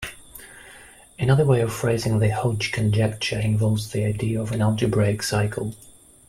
Another way of phrasing the Hodge conjecture involves the idea of an algebraic cycle.